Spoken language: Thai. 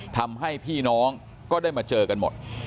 ทำให้พี่น้องก็ได้มาเจอกันหมด